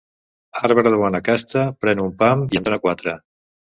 Arbre de bona casta pren un pam i en dóna quatre.